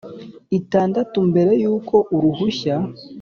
Itandatu mbere y uko uruhushya